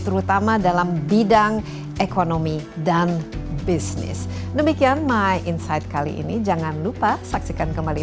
terutama dalam bidang ekonomi dan bisnis demikian my insight kali ini jangan lupa saksikan kembali